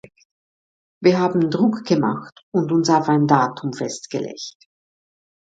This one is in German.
Wir haben Druck gemacht und uns auf ein Datum festgelegt.